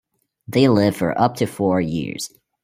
They live for up to four years.